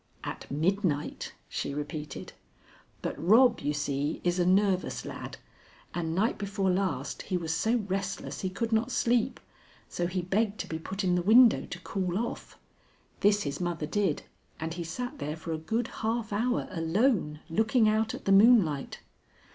"At midnight," she repeated. "But Rob, you see, is a nervous lad, and night before last he was so restless he could not sleep, so he begged to be put in the window to cool off. This his mother did, and he sat there for a good half hour alone, looking out at the moonlight.